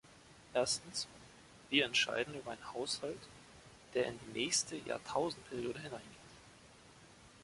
Erstens, wir entscheiden über einen Haushalt, der in die nächste Jahrtausendperiode hineingeht.